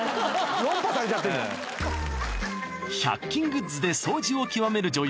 もう１００均グッズで掃除を極める女優